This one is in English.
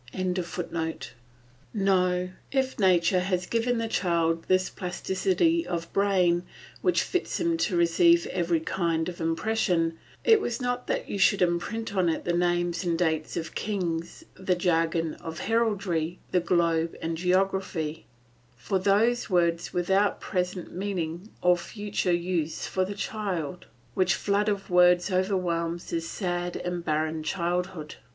] No, if nature has given the child this plasticity of brain which fits him to receive every kind of impression, it was not that you should imprint on it the names and dates of kings, the jargon of heraldry, the globe and geography, all those words without present meaning or future use for the child, which flood of words overwhelms his sad and barren childhood.